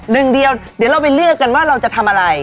หนึ่งเดียวเดี๋ยวเราไปเลือกกันว่าเราจะทำอะไร